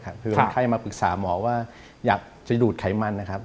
คือคนไข้มาปรึกษาหมอว่าอยากจะดูดไขมันนะครับ